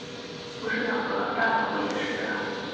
不是两个？大脑不也是？